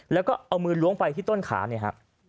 แล้วก็เอามือล้วงไปที่ต้นขาเนี่ยฮะ